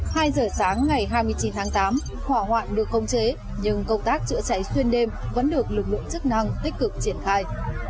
hai giờ sáng ngày hai mươi chín tháng tám hỏa hoạn được khống chế nhưng công tác chữa cháy xuyên đêm vẫn được lực lượng chức năng tích cực triển khai